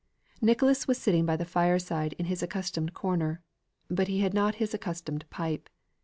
Nicholas was sitting by the fire side in his accustomed corner; but he had not his accustomed pipe.